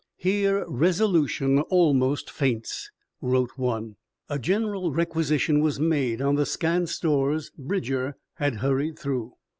"Here resolution almost faints!" wrote one. A general requisition was made on the scant stores Bridger had hurried through.